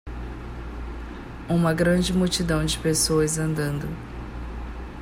Uma grande multidão de pessoas andando.